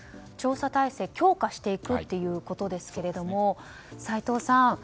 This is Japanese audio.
調査体制、強化していくということですけれども齋藤さん